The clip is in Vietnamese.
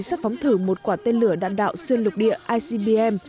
sẽ phóng thử một quả tên lửa đạn đạo xuyên lục địa icbm